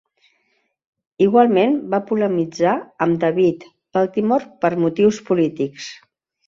Igualment va polemitzar amb David Baltimore per motius polítics.